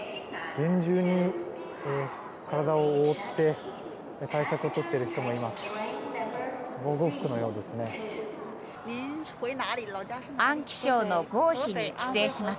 厳重に体を覆って対策をとっている人がいます。